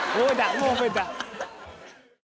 もう覚えた。